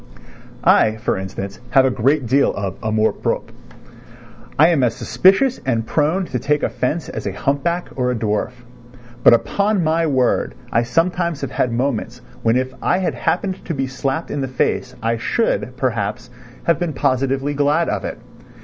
I, for instance, have a great deal of amour propre. I am as suspicious and prone to take offence as a humpback or a dwarf. But upon my word I sometimes have had moments when if I had happened to be slapped in the face I should, perhaps, have been positively glad of it.